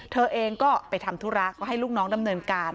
เธอเองก็ไปทำธุระก็ให้ลูกน้องดำเนินการ